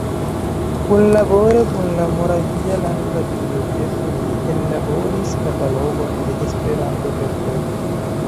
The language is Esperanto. Kunlabore kun la Moravia landa biblioteko li ellaboris katalogon de Esperanto-verkoj.